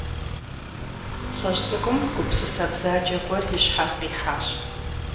ЛӀыжь цӀыкӀум гупсысэ бзаджэ гуэр и щхьэм къихьащ.